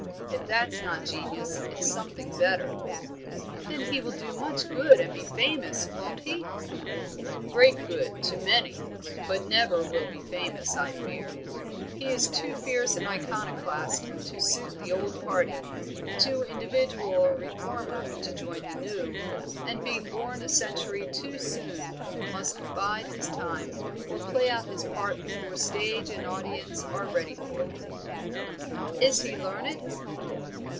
If that's not genius it's something better." "Then he will do much good and be famous, won't he?" "Great good to many, but never will be famous, I fear. He is too fierce an iconoclast to suit the old party, too individual a reformer to join the new, and being born a century too soon must bide his time, or play out his part before stage and audience are ready for him." "Is he learned?"